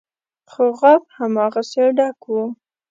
خو غاب هماغسې ډک و.